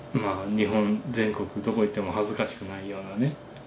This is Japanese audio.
日本全国どこ行っても恥ずかしくないようなね